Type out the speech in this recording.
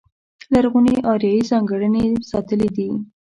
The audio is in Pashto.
لرغونې اریایي ځانګړنې یې ساتلې دي.